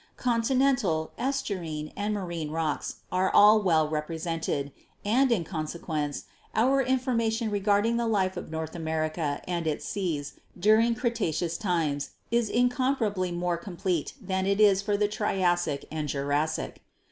Continental, estuarine and marine rocks are all well represented, and, in consequence, our information regarding the life of North America and its seas during Cretaceous times is incomparably more complete than it is for the Triassic and Jurassic.